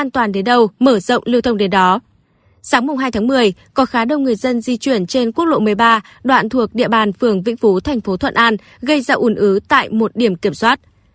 sáng hai tháng một mươi có khá đông người dân di chuyển trên quốc lộ một mươi ba đoạn thuộc địa bàn phường vĩnh phú thành phố thuận an gây ra ủn ứ tại một điểm kiểm soát